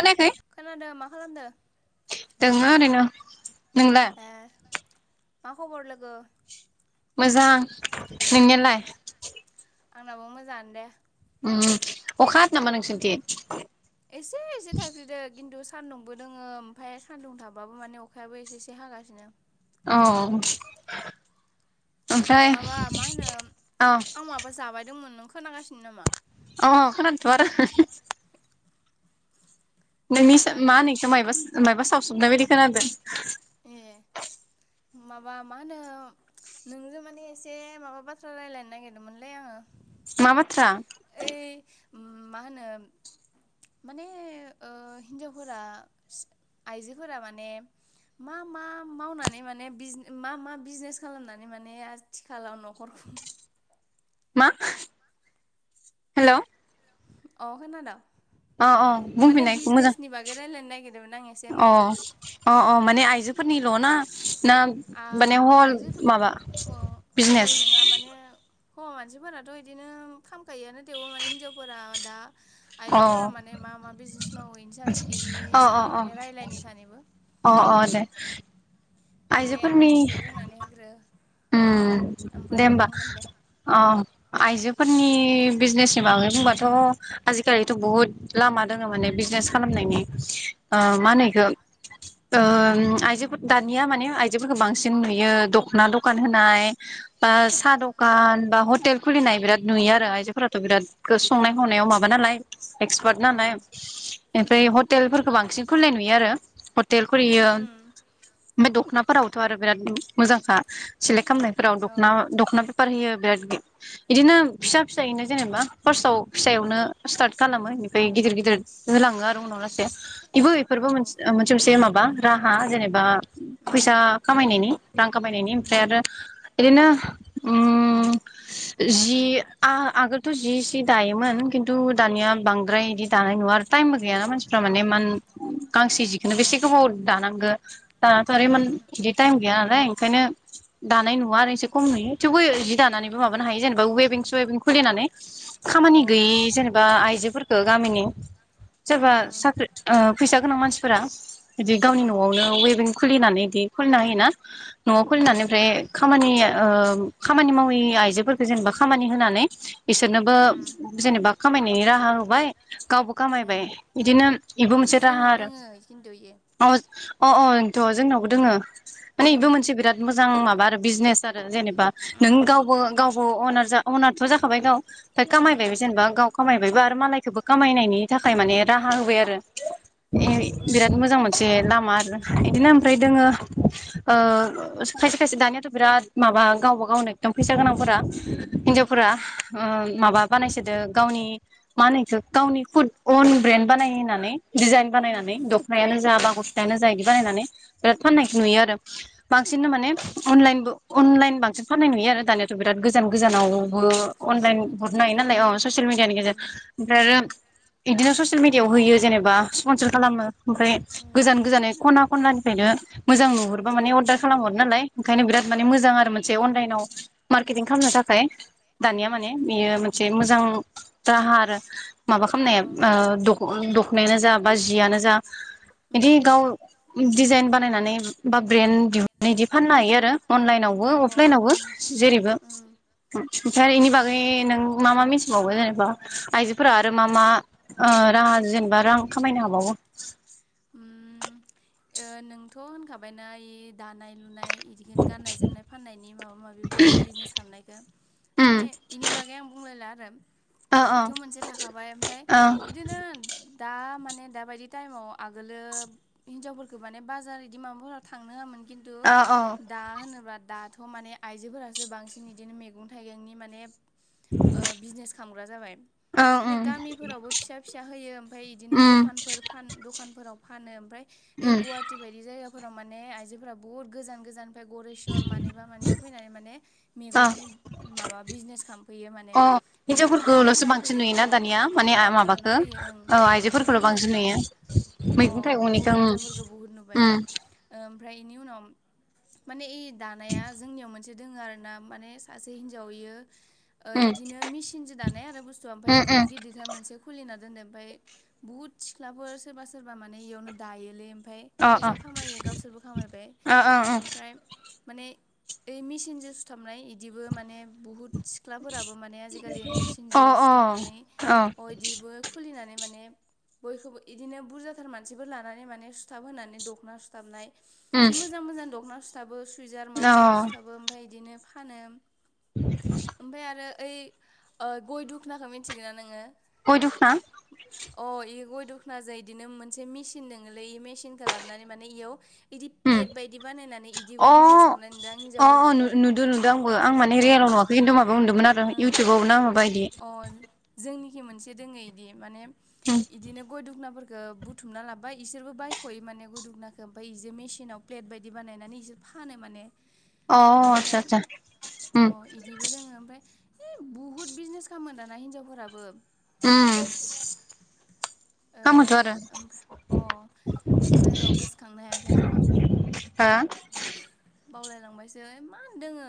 अ खोनादों मा खालामदो दोङो ओरैनो। नोंला? ए मा खबर लोगो मोजां। अ नोंनियालाय? आंनाबो मोजाङानो दे। उम अखा हादो नामा नोंसोरनिथिं? एसे एसे थाइफ्रिदो खिन्थु सान्दुंबो दोङो ओमफाय सान्दुं थाबाबो माने अखायाबो एसे एसे हागासिनो। औ माबा मा होनो आं माबा जाबायदोंंमोन नों खोनागासिनो नामा? अ खोनादोथ आरो [unintelligible] ओइ होमबा नोंनिस मा होनो गारनोसैलै इखो मायबा मायबा सावसुबनाय बायदि खोनादों। ए माबा मा होनो नोंजों माने एसे माबा बाथ्रा रायलायनो नागिरदोंमोनलै आङो। मा बाथ्रा ओइ मा होनो माने ओ हिनजावफोरा इस आइजोफोरा माने मा मा मावनानै माने बिज मा मा बिजनेस खालामनानै माने आथिखालाव नखर मा? हेलौ अ खोना द अ अ बुंफिननाय मोजां रायलायनो नागिरदोंमोन आं एसे अ नोंजों अ अ माने आइजोफोरनि ल ना? ना आ माने हल आइजोफोर माबा हल बिजनेस? नङा माने हौवा मानसिफोराथ इदिनो खामखायो नाथाय थेवबो माने हिनजावफोरा दा अ आइजोफोरा माने मा मा बिजनेस मावो इनि सा इनि अ अ सायाव अ माने रायलायनि सानैबो अ अ दे दे नों आइजोफोरनि एसे बुंनानै होग्रो उम ओमफ्राय दे आं ओमबा बुंगोन दे औ उम आइजोफोरनि नि बिजनेसनि बागै बुंबाथ आजिखालिथ बुहुत लामा दङ माने बिजनेस खालामनायनि ओ औ मा होनो इखो? ओम आइजोफोर दानिया माने आइजोफोरखौ बांसिन नुयो दखना दक खान होनाय बा उम साहा दखान बा हटेल उम खुलिनाय बिराद नुयो आरो आयजोफोराथ बिराद गो संनाय खावनायाव माबा नालाय। एक्सपार्ट औ नालाय ओमफ्राय उम हटेल फोरखौ बांसिन खुलिनाय नुयो आरो हटेल खुलियो उम ओमफाय दखनाफोरावथ आरो बिराद मोजांखा। सिलेक खामनायफोराव औ दखना दखना बेफार होयो। बिराद बिदिनो फिसा फिसायैनो जेनेबा फार्स्टआव फिसायावनो स्टार्ट खालामो इनिफ्राय गिदिर गिदिर होलाङो आरो उनाव लासै इबो इफोरबो मोन औ उम मोनसे मोनसे माबा बा राहा जेनेबा फैसा खामायनायनि रां खामायनायनि उम ओरैनो ओम जि आ-आगोलथ जि सि दायोमोन खिन्थु दानिया बांद्राय इदि दानाय नुवा आरो टाइमबो गैयाना मानसिफ्रा माने इमान गांसे अ उम अ उम जिखौनो बेसे अ गोबाव दानांगो दानाथ इमान बिदि टायेम गैया नालाय ओंखायनो दानाय नुवा आरो एसे खम नुयो थेवबो जि दानानैबो माबानो हायो जेनेबा वेबिं सवेबिं खुलिनानै खामानि गैयै जेनेबा आइजो फोरखो गामिनि सोरबा साख्रि ओ फैसा गोनां मानसि फोरा। बिदि गावनि नयावनो वेभिं खुलिनानै दि फोरना होयोना नयाव खुलिनानै ओमफ्राय उम खामानि ओ खामानि मावि आइजोफोरखौ जेनेबा खामानि होनानै बिसोरनोबो उम जेनोबा खामायनायनि रा हा होबाय। गावबो खामायबाय ओं इदिनो बेबो अ मोनसे राहा जोंनाव आरो दोङो खिन्थु इयो अ अ अ इनथ जोंनावबो दोङो। माने बेबो ओं मोनसे बिराद [unintelligible] जेने बा नों उम गावबो गाव अ-अनार जा अनारथ जाखाबाय गाव दा खामायबायबो उम जेनेबा गाव खामायबायबो आ मालायखौबो खामायनायनि थाखाय माने राहा होबाय आरो अ ए ओं बिराद मोजां मोनसे [unintelligible] [unintelligible] इदिनो ओमफ्राय दोङो उम ओ खायसे खायसे दानियाथ बिराद माबा गावबा गावनो एखदम फैसा गोनांफोरा हिनजावफोरा ओ माबा बानायसोदो गावनि मा होनो एखो गावनि खुद अन ब्रेन्ड बानायहोनानै डिजाइन बानायनानै दखनायानो जा बा गस्लायानो जा इदि बानायनानै बिराद फाननायखौ नुयो आरो बांसिन माने अनलाइनबो अनलाइन बांसिन फाननाय नुयो आरो दानियाथ बिराद गोजान गोजानाव बो बांसिन अनलाइन माने अनलाइनखौ अनलाइन बांसिन फाननाय नुयो आरो दानिया बिराद गोजान गोजानाव ससियेल मिडियानि हरनो हायो नालाय गेजेरजों अ ससियेल मिडियानि गेजेरजो ओमफ्राय आरो बिदिनो ससियेल मिडियाआव होयो जेनेबा स्पनसार खालामो। ओमफ्राय मिडियानि गोजान गोजाननि खना खनलानि। खायनो मोजां नुहुरबा माने अरदार। खालाम हरो नालाय। ओंखायनो बिराद माने मोजां आरो मोनसे अनलाइनाव मार्केटिं खालामनो थाखाय। ओमफ्राय दानिया माने बेयो एसे मोजां राहा आरो। माबा खालामनाया ओ दख दख नायानो जा बा जियानो जा। उम बिदि गाव डिजाइन बानायनानै बा ब्रेन्ड नैदि फाननो हायो आरो। अनलाइनावबो अ उम अ अफलाइनावबो उम जेरैबो। ओमफ्राय इनि बागै नों मा मा मिथिबावो जेनेबा आइजोफोरा आरो मा मा ओ राहा जेनेबा रां खामायनो हाबावो? उम ओ नोंथ होनखाबायना इ दानाय लुनाय बिदिनो गाननाय जोमनाय फाननायनि माबा माबि बे बिजनेस खालामनायखौ उम माने इनि बागै आं बुंलायला आरो। ओ ओ एथ मोनसे थाखाबाय ओमफ्राय ओ बिदिनो दा माने दाबायदि टाइमाव आगोलो हिनजावफोरफोरखौ माने बाजार इदि माबाफोराव थांनो होआमोन। खिन्थु ओ औ दा होनोबा दा। थ माने आइजोफोरासो बांसिन इदिनो मैगं थाइगंनि माने ओ बिजनेस खालामग्रा जाबाय औ माने उम गामिफोरावबो फिसा फिसा होयो ओमफाय बिदिनो उम दखानफोर फान दखानफोराव फानो ओमफ्राय उम गुवाहाटि बायदि जायगा फोराव माने आइजोफोरा बुहुद गोजान गोजान ओमफ्राय गरेस्वर मानिबा मानिबा फैनानै माने ओ मैगंनि माबा बिजनेस खालामफैयो माने अ मैगं थाइगं हिनजावफोरखौल'सो बांसिन फानफैयो अ नुयोना दानिया माने अ लाना माबाखौ फैयो ओं औ बुहुद आइजोफोरखौल' बांसिन नुबाय आं नुयो मैगं अ। बर' थाइगंनिखौ उम हेनजाव फोरखौ बहुद नोबाय उम ओमफ्रा नि बेनि उनाव माने ई दानाया जोंनियाव मोनसे। दोङो आरोना माने सासे हिनजावैयो ओ उम इदिनो मेचिनजो दानाय आरो बुस्थुआ औमफ्राय उम इदिनो उम गिदिरथार मोनसे खुलिना दोनदो ओमफ्राय बोहोद सिख्लाफोर सोरबा सोरबा माने इयावनो दायोलिम ओमफ्राय अ अ फैसा खामायो गावसोरबो खामायबाय अ अ ओमफ्राय माने ओइ मेचिनजों सुथाबनाय इदिबो माने बोहोद सिख्लाफोराबो माने आजिखालि अ मेसिनजों सुथाबनानै अ इदिबो खुलिनानै माने बयखौबो इदिनो बुरजाथार मानसि फोर लानानै माने सुथाब होनानै दखना सुथाबनाय उम जि मोजां-मोजां दखना सु थाबो सु सैजार माबा अ माबि सुथाबो ओमफ्राय इदिनो फानो ओमफ्राय आरो ओय अ गय दुखनाखौ मिथिगोना नोङो गयदुखना दखना जाय एदिनो मोनसे मिसिन मेचिन दोङाेलै मेचिनखौ खालामनानै माने इयाव इदि प्लेट बायदि बानायनानै इदिबो बिजनेस ओम खालामनाय नुदों आं अ अ हिनजावफोरखौ नुदों नुदों आंबो आं माने अ रियेलाव नुवाखै अ किनथु माबायाव नोदोंमोन आरो ओं इउटुबाव ना माबायदि अ जोंनिखि मोनसे दोङो इदि माने इदिनो गय दुखना फोर गो बुथुमना लाब ओमफ्राय इसोरबो बायखयो माने गय दुखनाखौ ओमफ्राय इजो मेसिनाव प्लेट बायदि बानायनानै इसोर फानो माने अ आतसा ओमफ्राय आतसा उम अ इदिबो दोङो ओमफ्राय इ बुहुद बिजनेस खालामो दाना हिनजावफोराबो उम ओ खामोथआरो ओमफ्राय अ ओमफ्राय र' गोसोखांनो हायाखै आं [inaudible] हा बावलायलांबायसो इमान दोङो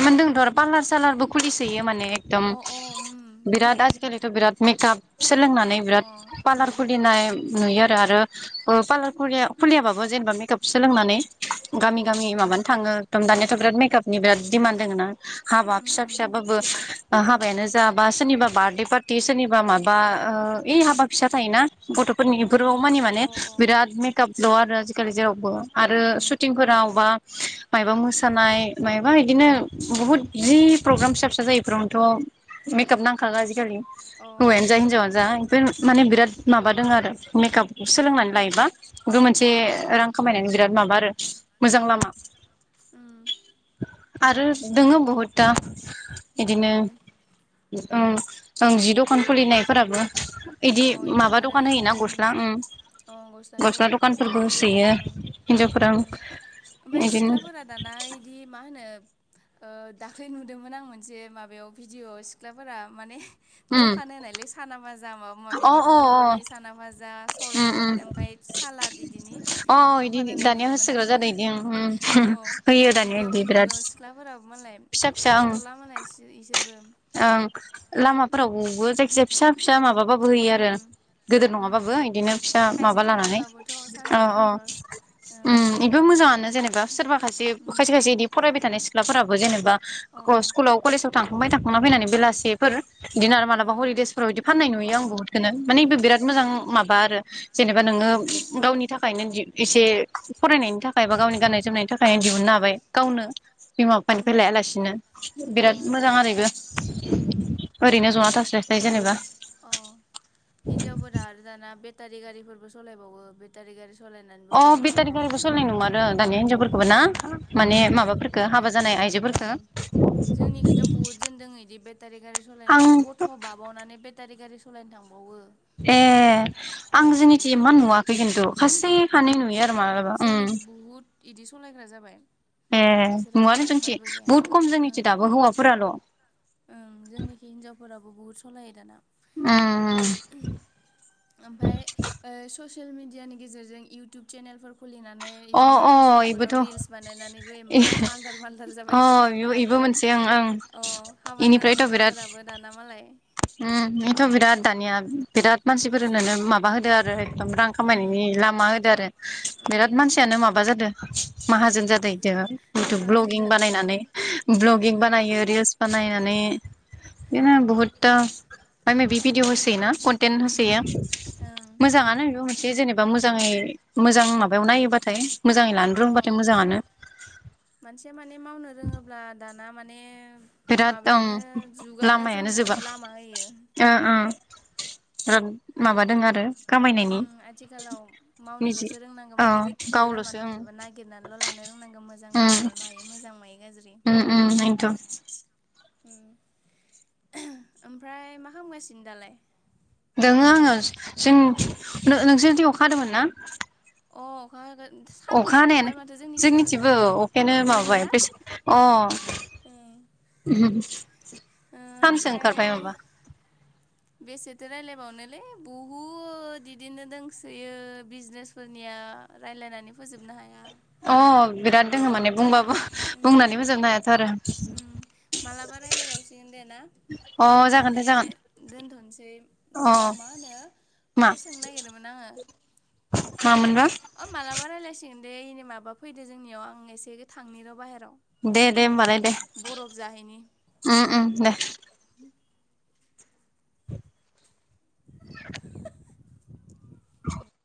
इमान दोङोथ आरो पालार सालारबो खुलिसोयो माने एगदम अ उम बिराद आजिखालिथ बिराद मेकाप सोलोंनानै अ बिराद पार्लार उम खुलिनाय नुयो आरो ओ पार्लार खुलियाबाबो जेनेबा मेकाप सोलोंनानै अ गामि अ गामि उम माबानो थाङो दम दानियाथ बिराद मे [unintelligible] बिराद दिमान दङ ना हाबा उम फिसा उम फिसा बाबो हाब हाबायानो जाबा सोरनिबा बारदे पार्टि सोरनिबा माबा ओइ हाबा फिसा थायोना गथ फोरनिफोराव मानि माने अ अ अ बिराद मेकाप ल आरो आजि [unintelligible] [unintelligible] आरो उम सुटिं फोराव बा मायबा उम मोसानाय मायबा बुहुत जि प्रग्राम फिसा फिसा जायैफोरावनोथ मेकाप नांखागो आजिखालि अ हौवायानो जा उम हिनजावानो जा [unintelligible] माने बिराद माबा दोङो आरो मेकाप सोलोंनानै लायोबा बे मोनसे उम रां खामायनानि बिराद माबा आरो मोजां लामा उम्म आरो दोङो बहुद ता दोङो बिदिनो ओं आं जिद दखान खुलिनायफोराबो बिदि ओं अ इथ' माबा आरो दखान इ होयोना उम गस्ला उम्म अ गस्लानि गस्ला दखानफोर होनाय दखानफोरबो होसोयो हिनजावफोरा ओं हिन्जावफोरा ओं उम्म ओमफ्राय बिदिनो सिख्लाफोरा दाना इदि मा होनो ओ दाख्लै नुदोमोन आं मोनसे माबायाव भिडिआव सिख्लाफोरा माने उम दखान होनायलाय साना फा [unintelligible] माबा अ माबिनि अ अ फुलरि साना फाजा उम उम सरबत ओमफाय सालाद इदिनि अ इदि दखान होननाय दानिया नुदोमोन होसोग्रा आंङो जादों इदि ओं उम अ होयो दानिया इदियावबो इदि बिराद नुद' सिख्लाफोरा फिसा फिसा ओं थाथला मोने इसि इसोरबो ओं लामाफोरावबो जायखि जाया फिसा फिसा माबा बाबो होयो आरो उम गिदिर नङाबाबो उम इदिनो फिसा थाइसे माबा लानानै थाइनैबाबोथ' अ सानसेनि अ खरस ओं उम्म इबो मोजांङानो जेनेबा सोरबा सासे उम खायसे खायसे फरायबाय थानाय सिख्लाफोराबो जेनबा अ क स्कुलाव कलेजाव थांखांबा थांख थांना फैनानै बेलासिफोर बिदिनो आरो मालाबा उम हलिदेसफोराव इदि फाननाय अ नुयो आं बुहुतखौनो माने उम इबो बिराद मोजां माबा आरो [inaudible] जेनेबा नोंङो ओं गावनि थाखायनो दि एसे फरायनायनि थाखाय बा गावनि गान्नाय जोमनायनि थाखाय दिहुननो हाबाय गावनो बिमा बिफानिफ्राय उम लायालासिनो अ बिराद मोजां आरो उम इबो। ओरैनो जना थास्लाय स्लाय जेनेबा अ हिनजावफोरा आरो दाना बे टारि गारिफोरबो सलायबावो बेटारि गारि सलायनानैबो अ फैसा बेटारि खामायबावो गारिबो सालायनाय नङारो दानि हिनजावफोरखौबो ओं ना माने ओं माबाफोरखो बेता हाबा जानाय आइजोफोरखो ओं जोंनिखिथ' बुहुद जोनदों इदि बेटारि गारि सालायनानै गथ' आं बाबावनानै बे टारि गारि सलायनो थांबावो ए आं जोंनिथि एमान नुवाखै खिन्थु। खासे खानै नुवाखैना नुयो आरो मालाबा उम जोंनिखि बुहुद इदि सलायग्रा जाबाय ए बेसेराफो नुवानो जोंथि उपायबो गैयाना बुहुत खम जोंनिथि ओं दाबो हौवाफोराल' उम ओं जोंनिखि हिनजावफोराबो बुहुद सलायो दाना ओमफाय ओ स सेल मिडियानि गेजेरजों इउटुब चेनेलफोर खुलिनानै अ इदिनो अ फेसबुकफोराव इबोथ' रिल्स बानायनानैबो इमान माल्दार माल्दार जाबाय अ इबो सिख्लाफोराबो मोनसे ओं ओं अ हाबा जानाय इनिफ्रायथ' बिराद हिनजावफोराबो दाना मालाय उम इथ बिराद दानिया बिराद मानसिफोरनोनो माबा होदो आरो है रां उम खामायनायनि लामा होदो आरो। उम बिराद मानसियानो माबा जादो। माहाजोन जादो। इउटुब माहाजोन ब्लगिं जादोंथ' आरो बानायनानै ब्लगिं बानायो रिल्स बानायनानै बे ना बहुत दा माने बे भिदिअ होसोयोना कन्टेन्ट होसोयो उम ओं मोजाङानो इबो मोन से जेनेबा मोजाङै मोजां माबायाव नायोबाथाय मोजाङै लानो अ रोंबाथाय मोजाङानो। मानसिया माने मावनो रोङोब्ला दा दाना माने बिराद ओं माबायानो जुगानो लामायानो जोंनो जोबा लामा होयो ओ ओ। बिराद माबा दोङो आरो। उम खामायनायनि आथिखालाव निजि मावनोलसो रोंनांगौ औ माने जेखिबो लामा गावल'सो दंजोबो नागिरनानैल लानो रोंनांगौ मो ओं जांखो उम माने मायो मोजां मायो गा उम उम ओयनोथ। ओमफ्राय मा खामगासिनो दालाय? दोङो आङो जों नोंसोर निथिं अखा हादोंमोन ना? अ अखा हा अखा हानायानो जोंनिथिंबो अखायानो नोंगो माबा ना बेस अ ओ फामसो ओमफ्राय ओंखार बाय माबा बेसेथो रायलायबावनोलै बहुद इदिनो दोंसोयो बिजनेसफोरनिया रायजलायनानै फोजोबनो हाया अ बिराद दोङो माने बुंबा बुंनानै फोजोबनो हायाथ आरो। उम मालाबा रायलायबावसिगोन दे ना अ दिनै जागोन दे माने जागोन दोनथनसै र अ मा होनो मा माबा सोंनो नागिरदोंमोन आङो मामोनबा ओ मालाबा रायलायसि दे ओयनो माबा फैदो जोंनियाव आं एसे थांनि र बाहेरायाव। दे दे होमबालाय दे बरफ जाहैनि। उम उम दे [unintelligible]